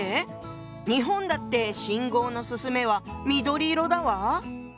日本だって信号の「進め」は緑色だわ。